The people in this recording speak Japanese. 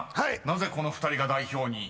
なぜこの２人が代表に？